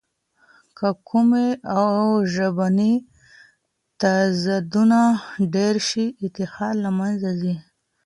که قومي او ژبني تضادونه ډېر شي، اتحاد له منځه ځي.